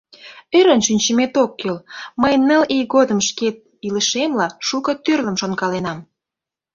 Ӧрын шинчымет ок кӱл: мый ныл ий годым шкет илышемла шуко тӱрлым шонкаленам.